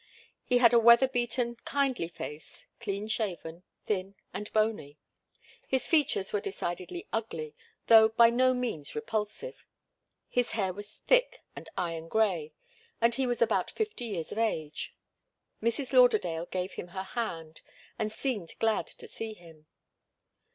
He had a weather beaten, kindly face, clean shaven, thin and bony. His features were decidedly ugly, though by no means repulsive. His hair was thick and iron grey, and he was about fifty years of age. Mrs. Lauderdale gave him her hand, and seemed glad to see him.